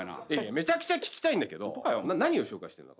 めちゃくちゃ聞きたいんだけど何を紹介してんの？